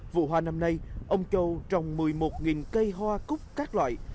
vụ hoa năm nay ông châu trồng một mươi một cây hoa cúc các loại